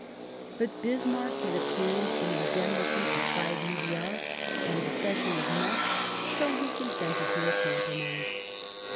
But Bismarck had obtained an indemnity of five milliards and the cession of Metz, so he consented to a compromise.